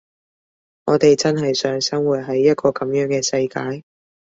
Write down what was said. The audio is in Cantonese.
我哋真係想生活喺一個噉樣嘅世界？